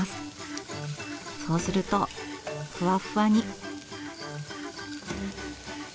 そうするとふわふわに。